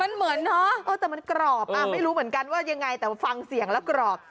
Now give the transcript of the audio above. มันเหมือนเนอะแต่มันกรอบไม่รู้เหมือนกันว่ายังไงแต่ว่าฟังเสียงแล้วกรอบ